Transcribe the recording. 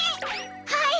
はい！